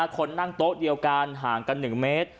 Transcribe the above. คนนั่งโต๊ะเดียวกันห่างกัน๑เมตร